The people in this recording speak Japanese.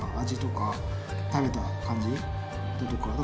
味とか食べた感じだとか。